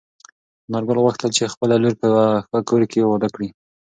انارګل غوښتل چې خپله لور په یوه ښه کور کې واده کړي.